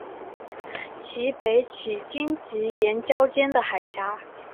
其北起荆棘岩礁间的海峡。